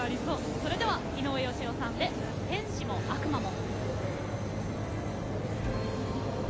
それでは井上芳雄さんで「天使も悪魔も」。